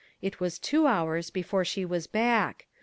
It was two hours before she was back.